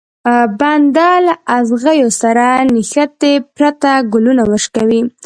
بنده له ازغيو سره له نښتې پرته ګلونه ورشکوي.